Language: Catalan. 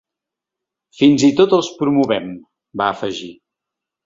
Fins i tot els promovem, va afegir.